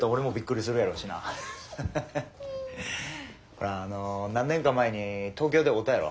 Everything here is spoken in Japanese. ほらあの何年か前に東京で会うたやろ。